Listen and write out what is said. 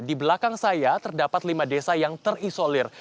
di belakang saya terdapat lima desa yang terisolir